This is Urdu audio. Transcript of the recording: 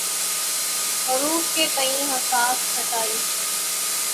حروف کے تئیں حساس چھٹائی